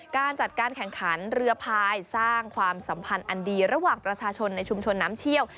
การจัดการแข่งขันเรือพายสร้างความสัมพันธ์อันดีระหว่างประชาชนในชุมชนน้ำเชี่ยว